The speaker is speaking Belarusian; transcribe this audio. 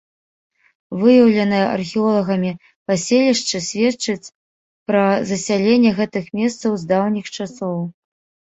Выяўленае археолагамі паселішчы сведчыць пра засяленне гэтых месцаў з даўніх часоў.